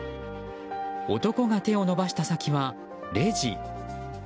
男が手を伸ばした先は、レジ。